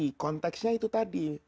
nah konteksnya itu tadi